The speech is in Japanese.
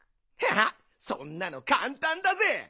そんなのかんたんだぜ。